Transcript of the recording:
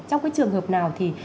trong cái trường hợp nào thì